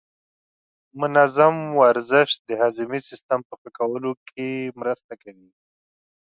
منظم ورزش د هاضمې سیستم په ښه کولو کې مرسته کوي.